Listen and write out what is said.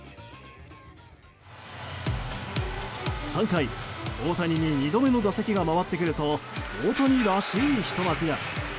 ３回、大谷に２度目の打席が回ってくると大谷らしい、ひと幕が。